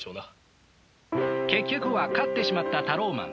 結局は勝ってしまったタローマン。